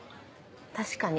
確かに。